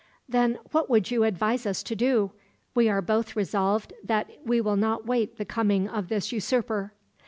"Then what would you advise us to do? We are both resolved that we will not await the coming of this usurper."